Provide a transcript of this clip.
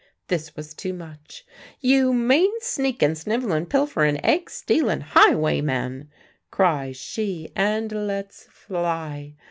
This was too much. "You mean, sneakin', snivellin', pilferin', egg stealin' highwayman!" cries she, and lets fly.